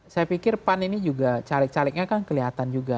saya pikir pan ini juga caleg calegnya kan kelihatan juga